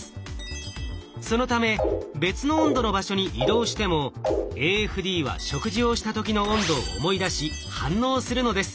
そのため別の温度の場所に移動してもＡＦＤは食事をした時の温度を思い出し反応するのです。